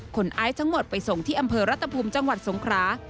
ไอซ์ทั้งหมดไปส่งที่อำเภอรัฐภูมิจังหวัดสงครา